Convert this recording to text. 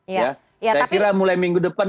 saya kira mulai minggu depan